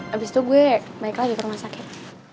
abis itu gue naik lagi ke rumah sakit